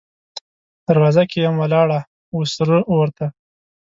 دروازه کې یم ولاړه، وه سره اور ته